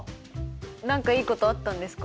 何かいいことあったんですか？